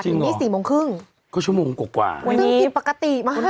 จริงเหรอถึงที่สี่โมงครึ่งก็ชั่วโมงกว่ากว่าวันนี้ผิดปกติมาก